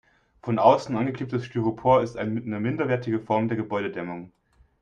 Von außen angeklebtes Styropor ist eine minderwertige Form der Gebäudedämmung.